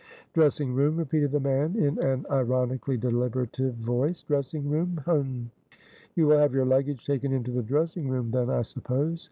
"Dressing room," repeated the man, in an ironically deliberative voice "Dressing room; Hem! You will have your luggage taken into the dressing room, then, I suppose.